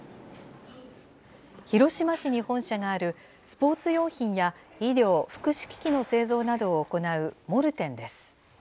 広島市に本社がある、スポーツ用品や医療・福祉機器の製造などを行うモルテンです。